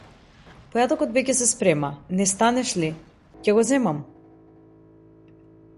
Појадокот веќе се спрема, не станеш ли, ќе го земам!